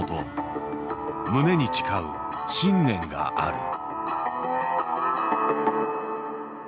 胸に誓う信念がある。